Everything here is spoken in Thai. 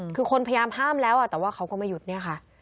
คือคนพยายามห้ามแล้วแต่ว่าเขาก็ไม่หยุดเนี่ยค่ะ